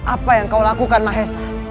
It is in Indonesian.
apa yang kau lakukan mahesa